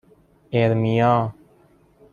اِرمیا